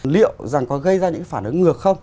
liệu rằng có gây ra những phản ứng ngược không